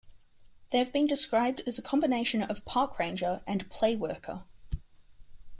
They have been described as a combination of a park ranger and a playworker.